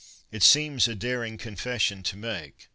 It seems a daring confession to make.